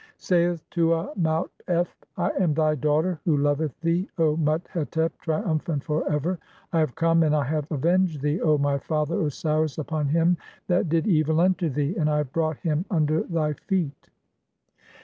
XII. (1) Saith Tua maut ef :— "I am thy daughter who loveth "thee, O Mut hetep, triumphant for ever ; (2) I have come and "I have avenged [thee, O] my father Osiris, [upon him that] "did [evil] unto thee and I have brought (3) him under thy feet."